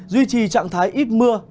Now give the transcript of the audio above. duy trì trạng thái ít mưa